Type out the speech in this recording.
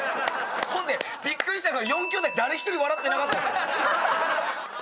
ほんでびっくりしたのが４きょうだい誰一人笑ってなかった。